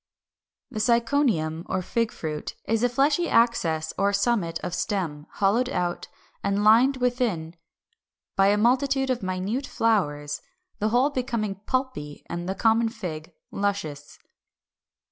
] 378. =The Syconium or Fig fruit= (Fig. 405, 406) is a fleshy axis or summit of stem, hollowed out, and lined within by a multitude of minute flowers, the whole becoming pulpy, and in the common fig, luscious.